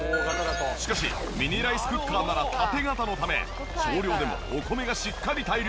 しかしミニライスクッカーなら縦型のため少量でもお米がしっかり対流。